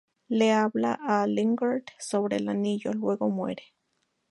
Le habla a Lingard sobre el anillo, luego muere.